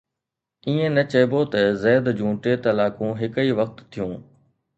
ائين نه چئبو ته زيد جون ٽي طلاقون هڪ ئي وقت ٿيون